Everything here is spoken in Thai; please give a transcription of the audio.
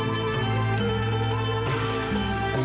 โอ้โหโอ้โหโอ้โหโอ้โห